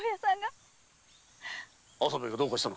麻兵衛がどうかしたのか？